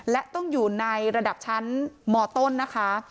และต้องอยู่ในระดับชั้นมต้นนะคะ